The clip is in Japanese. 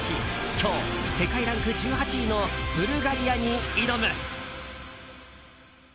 今日、世界ランク１８位のブルガリアに挑む。